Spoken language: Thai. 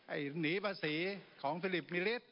ไอ้หนีภาษีของฟิลิปมิริสต์